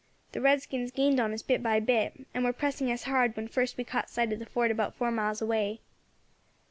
The redskins gained on us bit by bit, and were pressing us hard when first we caught sight of the fort about four miles away.